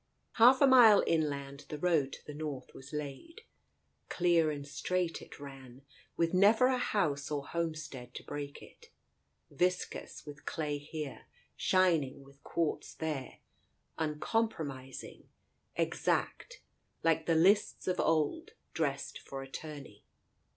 Half a mile inland the road to the north was laid. Clear and straight it ran, with never a house or homestead to break it, viscous with clay here, shining with quartz there, uncompromising, exact, like the lists of old, dressed for a tourney.